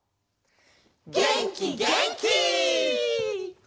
げんきげんき！